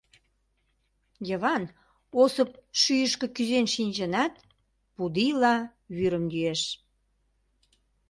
Йыван Осып шӱйышкӧ кӱзен шинчынат, пудийла вӱрым йӱэш.